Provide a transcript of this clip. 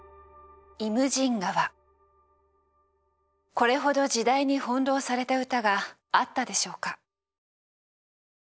これほど時代に翻弄された歌があったでしょうか？